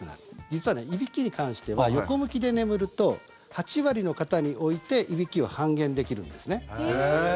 実は、いびきに関しては横向きで眠ると８割の方においていびきを半減できるんですね。